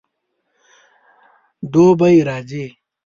دوبی راځي